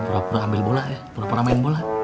pura pura ambil bola ya pura pura main bola